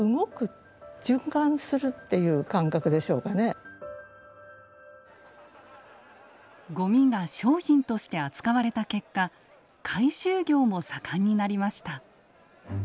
そうではなくてごみが商品として扱われた結果回収業も盛んになりました。